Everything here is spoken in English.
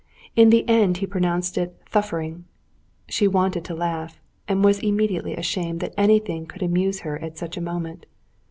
In the end he pronounced it "thuffering." She wanted to laugh, and was immediately ashamed that anything could amuse her at such a moment.